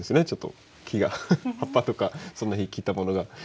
ちょっと木が葉っぱとかその日切ったものが。